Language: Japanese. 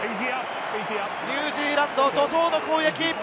ニュージーランド、怒涛の攻撃！